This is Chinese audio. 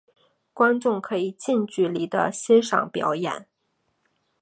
观众可以近距离地欣赏表演。